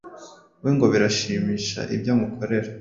we ngo biramshimisha ibyo umukorera